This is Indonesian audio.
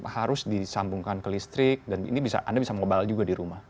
harus disambungkan ke listrik dan ini bisa anda bisa mobile juga di rumah